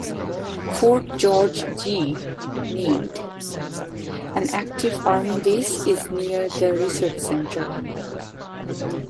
Fort George G. Meade, an active Army base, is near the research center.